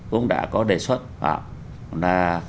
cũng đã có đề xuất là